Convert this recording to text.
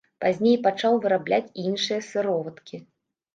Пазней пачаў вырабляць і іншыя сыроваткі.